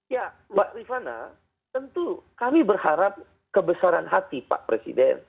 ya mbak rifana tentu kami berharap kebesaran hati pak presiden